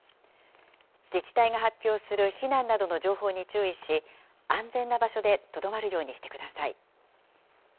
自治体が発表する避難などの情報に注意し、安全な場所でとどまるようにしてください。